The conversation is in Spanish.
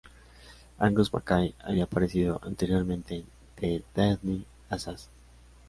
Angus MacKay había aparecido anteriormente en "The Deadly Assassin".